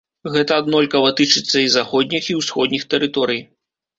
Гэта аднолькава тычыцца і заходніх, і ўсходніх тэрыторый.